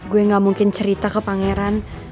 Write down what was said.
gue gak mungkin cerita ke pangeran